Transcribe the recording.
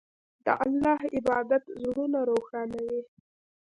د الله عبادت زړونه روښانوي.